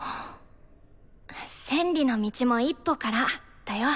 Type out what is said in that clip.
「千里の道も一歩から」だよ。